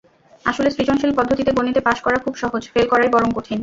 আসলে সৃজনশীল পদ্ধতিতে গণিতে পাস করা খুব সহজ, ফেল করাই বরং কঠিন।